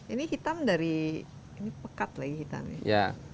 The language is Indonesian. ini hitam dari ini pekat lagi hitamnya